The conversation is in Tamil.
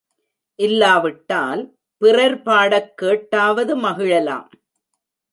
இல்லாவிட்டால் பிறர் பாடக் கேட்டாவது மகிழலாம்.